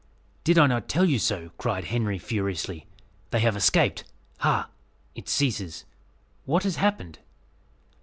"Did I not tell you so?" cried Henry furiously; "they have escaped. Ha! it ceases! what has happened?"